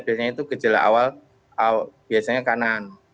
biasanya itu gejala awal biasanya kanan